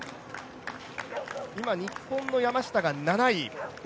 今、日本の山下が７位。